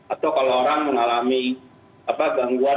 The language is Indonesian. atau kalau orang mengalami gangguan